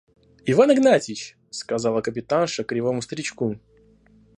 – Иван Игнатьич! – сказала капитанша кривому старичку.